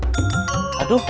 sampai tengah omongan